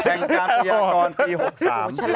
แต่งการพยากรปี๖๓